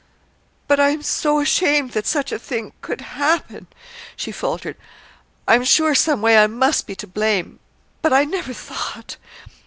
"But I am so ashamed that such a thing could happen," she faltered. "I'm sure, some way, I must be to blame. But I never thought.